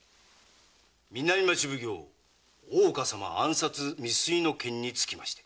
南町奉行・大岡様暗殺未遂の件につきまして。